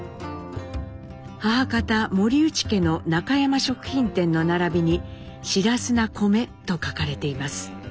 母方森内家の中山食品店の並びに「白砂米」と書かれています。